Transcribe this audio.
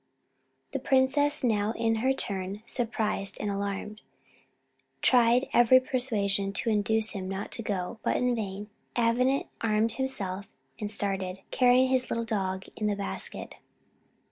The princess, now in her turn surprised and alarmed, tried every persuasion to induce him not to go, but in vain. Avenant armed himself and started, carrying his little dog in its basket.